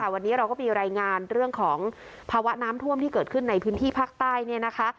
วันนี้เราก็มีรายงานเรื่องของภาวะน้ำท่วมที่เกิดขึ้นในพื้นที่ภาคใต้เนี่ยนะคะ